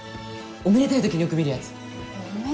おめでたい時によく見る。